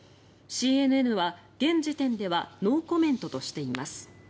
ＣＮＮは現時点ではノーコメントとしています。